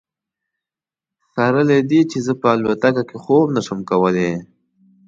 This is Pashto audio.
سره له دې چې زه په الوتکه کې خوب نه شم کولی.